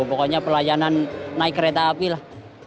pokoknya pelayanan naik kereta api lah